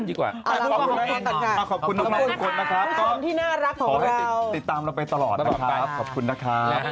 หลงมาค่อยติดตามเราไปตลอดนะคะ